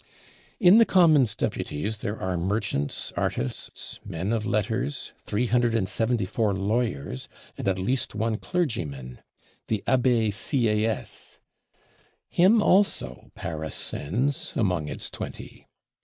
In the Commons Deputies there are Merchants, Artists, Men of Letters; 374 Lawyers, and at least one Clergyman, the Abbé Sieyès. Him also Paris sends, among its twenty.